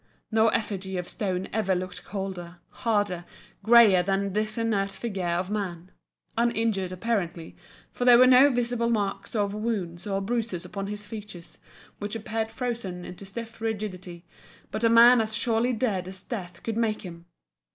No effigy of stone ever looked colder, harder, greyer than this inert figure of man, uninjured apparently, for there were no visible marks of wounds or bruises upon his features, which appeared frozen into stiff rigidity, but a man as surely dead as death could make him!